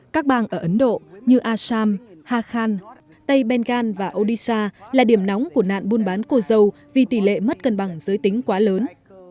các bang ở ấn độ như asam hakhan tây bengal và odisha là điểm nóng của nạn buôn bán cô dâu vì tỷ lệ mất cân bằng giới tính quá lớn